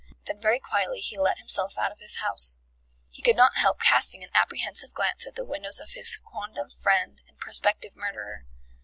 Then very quietly he let himself out of his house. He could not help casting an apprehensive glance at the windows of his quondam friend and prospective murderer.